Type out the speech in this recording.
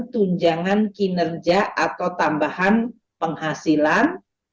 tunjangan kinerja atau tambahan penghasilan